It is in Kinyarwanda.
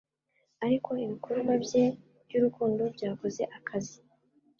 ariko ibikorwa bye by'urukundo byakoze akazi